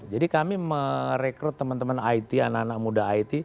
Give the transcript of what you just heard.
jadi kami merekrut teman teman it anak anak muda it